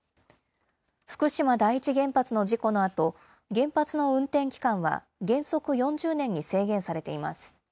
福島第一原発の事故のあと、原発の運転期間は原則４０年に制限されています。